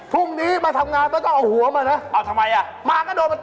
พรุ่งนี้มาทำงานต้องเอาหัวมานะมาก็โดนมันตบ